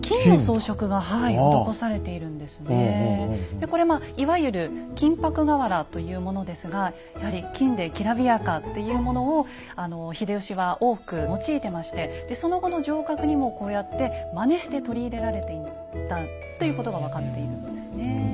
でこれまあいわゆる金箔瓦というものですがやはり金できらびやかっていうものをあの秀吉は多く用いてましてその後の城郭にもこうやってまねして取り入れられていたということが分かっているんですね。